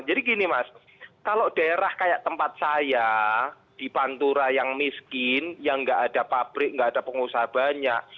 jadi gini mas kalau daerah kayak tempat saya di pantura yang miskin yang nggak ada pabrik nggak ada pengusaha banyak